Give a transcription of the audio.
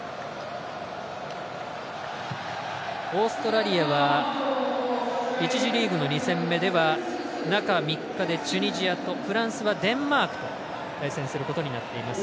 オーストラリアは１次リーグの２戦目では中３日でチュニジアとフランスはデンマークと対戦することになっています。